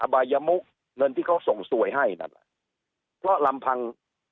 บายมุกเงินที่เขาส่งสวยให้นั่นแหละเพราะลำพัง